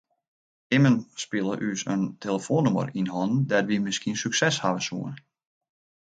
Immen spile ús in telefoannûmer yn hannen dêr't wy miskien sukses hawwe soene.